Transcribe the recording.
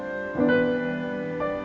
pagi pagi siapa yang dikutuk dan kenapa